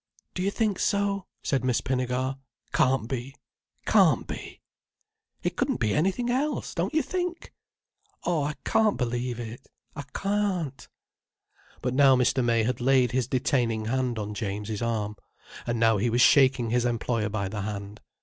"Do you think so?" said Miss Pinnegar. "Can't be! Can't be!" "He couldn't be anything else, don't you think?" "Oh I can't believe it, I can't." But now Mr. May had laid his detaining hand on James's arm. And now he was shaking his employer by the hand.